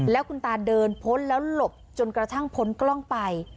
แล้วคุณตาเดินพ้นแล้วหลบจนกระทั่งพ้นกล้องไป